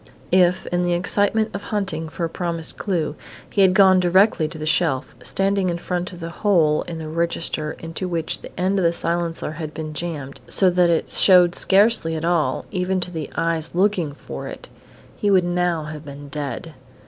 If, in the excitement of hunting for a promised clue, he had gone directly to the shelf, standing in front of the hole in the register into which the end of the silencer had been jammed, so that it showed scarcely at all, even to eyes looking for it, he would now have been dead.